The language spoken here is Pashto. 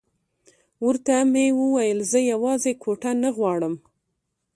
ورته مې وویل زه یوازې کوټه نه غواړم.